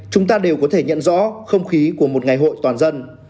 chúng ta đều có thể nhận rõ không khí của một ngày hội toàn dân